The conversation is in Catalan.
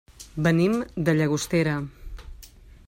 Venim de Llagostera.